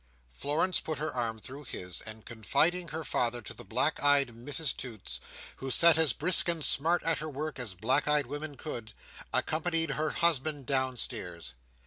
Florence put her arm through his; and confiding her father to the black eyed Mrs Toots, who sat as brisk and smart at her work as black eyed woman could, accompanied her husband downstairs.